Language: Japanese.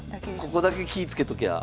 ここだけ気いつけときゃあ。